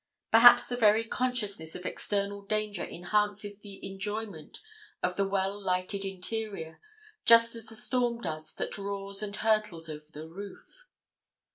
Perhaps the very consciousness of external danger enhances the enjoyment of the well lighted interior, just as the storm does that roars and hurtles over the roof.